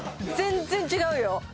全然違うよ